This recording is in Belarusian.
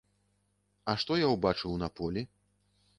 А што я ўбачыў на полі?